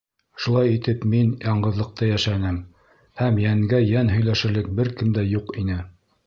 Шулай итеп мин яңғыҙлыҡта йәшәнем, һәм йәнгә-йән һөйләшерлек бер кем дә юҡ ине.